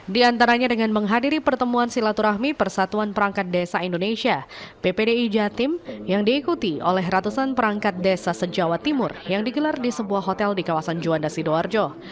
di antaranya dengan menghadiri pertemuan silaturahmi persatuan perangkat desa indonesia ppdi jatim yang diikuti oleh ratusan perangkat desa sejawa timur yang digelar di sebuah hotel di kawasan juanda sidoarjo